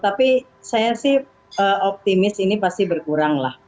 tapi saya sih optimis ini pasti berkurang lah